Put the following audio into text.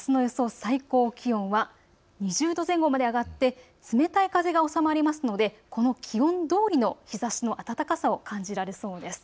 最高気温は２０度前後まで上がって冷たい風が収まりますのでこの気温どおりの日ざしの暖かさを感じられそうです。